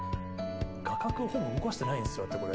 画角をほぼ動かしてないんですよだってこれ。